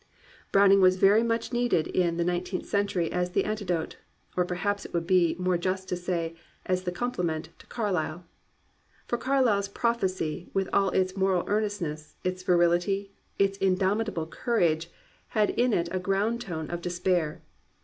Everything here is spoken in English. Browning was very much needed in the Nine teenth Century as the antidote, or perhaps it would be more just to say, as the complement to Carlyle. For Carlyle 's prophecy, with all its moral earnest ness, its virility, its indomitable courage, had in it a ground tone of despair.